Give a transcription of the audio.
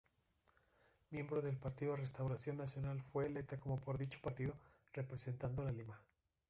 Miembro del Partido Restauración Nacional, fue electa como por dicho partido, representando a Lima.